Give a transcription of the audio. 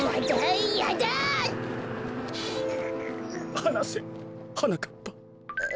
はなせはなかっぱ。